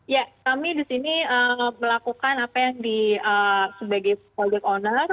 ya kami di sini melakukan apa yang sebagai project owner